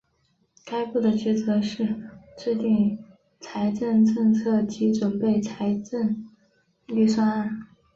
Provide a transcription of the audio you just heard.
该部的职责是制定财政政策及准备财政预算案。